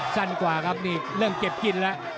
สั้นกว่าครับนี่เริ่มเก็บกินแล้ว